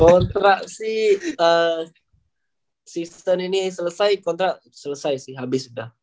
kontrak sih sistem ini selesai kontrak selesai sih habis udah